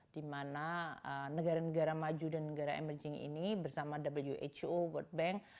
di mana negara negara maju dan negara emerging ini bersama who world bank